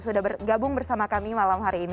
sudah bergabung bersama kami malam hari ini